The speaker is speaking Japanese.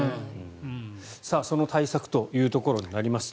その対策というところになります。